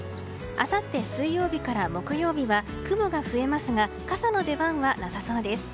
あさって水曜日から木曜日は雲が増えますが傘の出番はなさそうです。